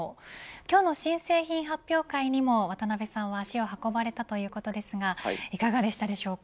今日の新製品発表会にも渡辺さんは足を運ばれたということですがいかがでしたでしょうか。